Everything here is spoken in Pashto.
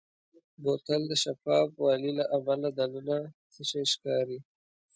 بوتل د شفاف والي له امله دننه څه شی ښکاري.